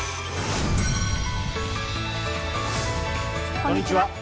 こんにちは。